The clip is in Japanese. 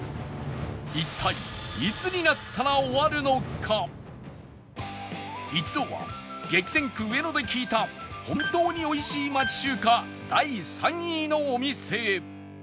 一体一同は激戦区上野で聞いた本当に美味しい町中華第３位のお店へ